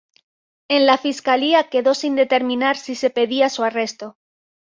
En la Fiscalía quedó sin determinar si se pedía su arresto.